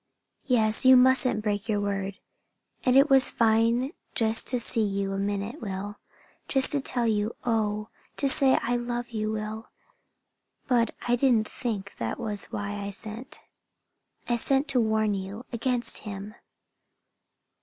"Yes, you mustn't break your word. And it was fine just to see you a minute, Will; just to tell you oh, to say I love you, Will! But I didn't think that was why I sent. I sent to warn you against him.